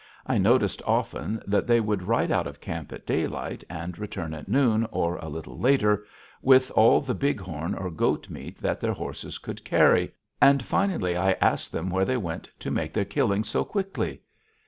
I noticed often that they would ride out of camp at daylight and return at noon or a little later with all the bighorn or goat meat that their horses could carry, and finally I asked them where they went to make their killings so quickly.